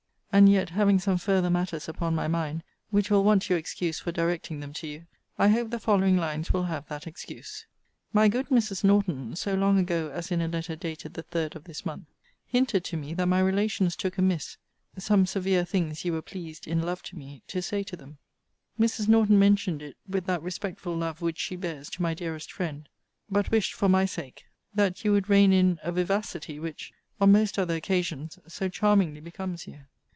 And yet having some farther matters upon my mind, which will want your excuse for directing them to you, I hope the following lines will have that excuse. My good Mrs. Norton, so long ago as in a letter dated the 3d of this month,* hinted to me that my relations took amiss some severe things you were pleased, in love to me, to say to them. Mrs. Norton mentioned it with that respectful love which she bears to my dearest friend: but wished, for my sake, that you would rein in a vivacity, which, on most other occasions, so charmingly becomes you.